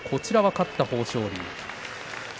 勝ったのは豊昇龍。